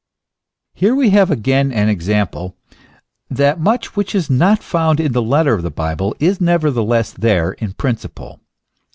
Here we have again an example, that much which is not found in the letter of the Bible, is nevertheless there in prin ciple.